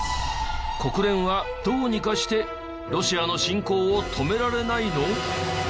国連はどうにかしてロシアの侵攻を止められないの？